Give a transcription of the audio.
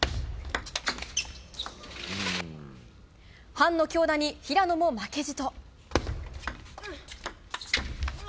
ハンの強打に平野も負けじと。